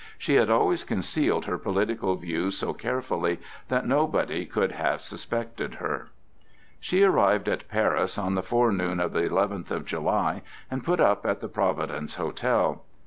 She had always concealed her political views so carefully that nobody could have suspected her. She arrived at Paris on the forenoon of the eleventh of July, and put up at the Providence Hotel.